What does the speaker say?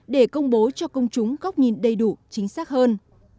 để công bố cho công chúng góc nhìn đầy đủ chính xác hơn